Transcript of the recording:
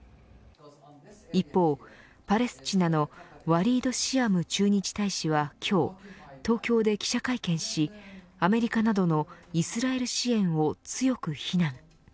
一方、パレスチナのはワリード・シアム駐日大使は今日東京で記者会見しアメリカなどのイスラエル支援を強く非難。